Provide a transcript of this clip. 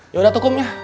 yaudah tuh kum ya